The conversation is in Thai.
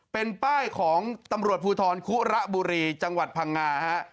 เป็นป้ายของตำรวจภูทรคุระบุรีจังหวัดพังงาฮะ